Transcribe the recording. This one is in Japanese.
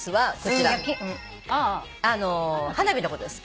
花火のことです。